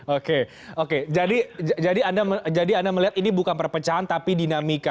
oke oke jadi anda melihat ini bukan perpecahan tapi dinamika